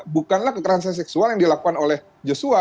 bukanlah kekerasan seksual yang dilakukan oleh joshua